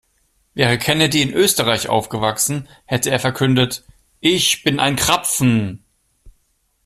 Wäre Kennedy in Österreich aufgewachsen, hätte er verkündet: Ich bin ein Krapfen!